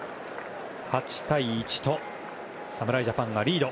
８対１と侍ジャパンがリード。